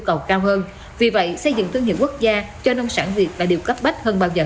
cầu cao hơn vì vậy xây dựng thương hiệu quốc gia cho nông sản việt đã được đều cấp bách hơn bao giờ